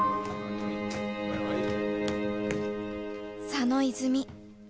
佐野泉